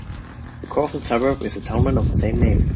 The core of the suburb is the townland of the same name.